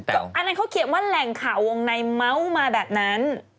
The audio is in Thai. อันนั้นเขาเขียนว่าแหล่งข่าววงในเมาส์มาแบบนั้น